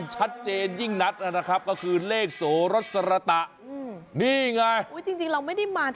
แหม